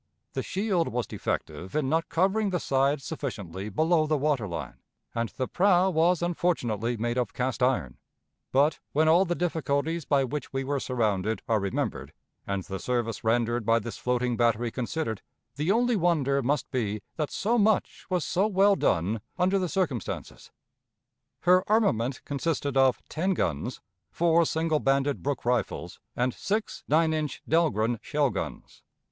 The shield was defective in not covering the sides sufficiently below the water line, and the prow was unfortunately made of cast iron; but, when all the difficulties by which we were surrounded are remembered, and the service rendered by this floating battery considered, the only wonder must be that so much was so well done under the circumstances. Her armament consisted of ten guns, four single banded Brooke rifles, and six nine inch Dahlgren shell guns.